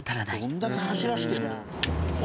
どんだけ走らしてるの？